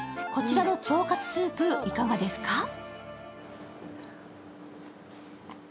こちらの腸活スープ、いかがですか？